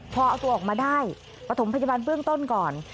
พอเอาตัวออกมาได้ปฐมพยาบาลเบื้องต้นก่อน